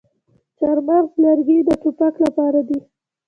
د چهارمغز لرګي د ټوپک لپاره دي.